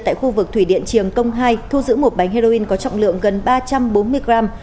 tại khu vực thủy điện triềng công hai thu giữ một bánh heroin có trọng lượng gần ba trăm bốn mươi gram